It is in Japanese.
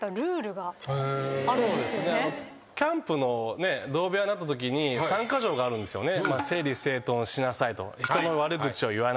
キャンプの同部屋になったときに３カ条があるんですよね。